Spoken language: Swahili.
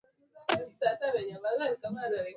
wanafunzi hujikaza kisabuni masomoni